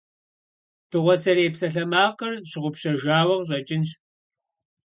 Дыгъуасэрей псалъэмакъыр щыгъупщэжауэ къыщӏэкӏащ.